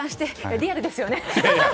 リアルですよね。